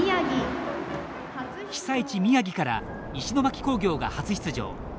被災地・宮城から石巻工業が初出場。